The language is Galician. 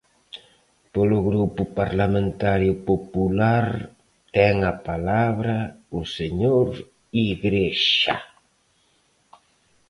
Polo Grupo Parlamentario Popular, ten a palabra o señor Igrexa.